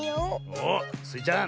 おおスイちゃん